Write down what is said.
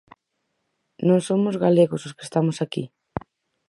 ¿Non somos galegos os que estamos aquí?